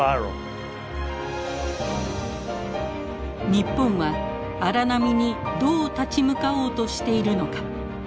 日本は荒波にどう立ち向かおうとしているのか。